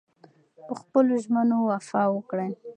پخپلو ژمنو وفا وکړئ.